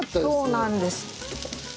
そうなんです。